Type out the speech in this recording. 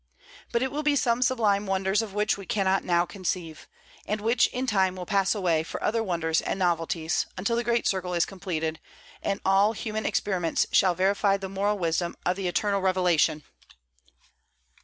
But it will be some sublime wonders of which we cannot now conceive, and which in time will pass away for other wonders and novelties, until the great circle is completed; and all human experiments shall verify the moral wisdom of the eternal revelation.